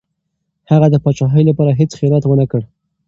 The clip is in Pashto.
هغه د پاچاهۍ لپاره هېڅ خیانت ونه کړ.